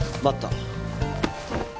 待った。